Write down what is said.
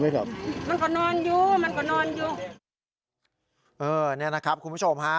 นี่นะครับคุณผู้ชมฮะ